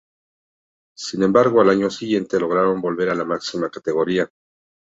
Sin embargo, al año siguiente lograron volver a la máxima categoría.